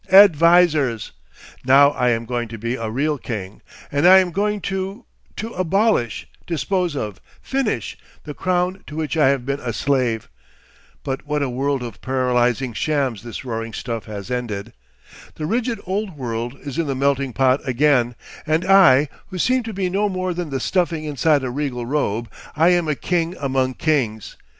Advisers! Now I am going to be a real king—and I am going to—to abolish, dispose of, finish, the crown to which I have been a slave. But what a world of paralysing shams this roaring stuff has ended! The rigid old world is in the melting pot again, and I, who seemed to be no more than the stuffing inside a regal robe, I am a king among kings.